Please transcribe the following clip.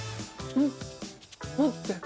うん。